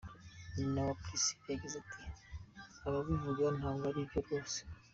Nyina wa Priscillah yagize ati: “Ababivuga ntabwo ari byo rwose.